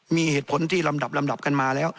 มีเหตุผลที่ลำดับลำดับกันมาแล้ว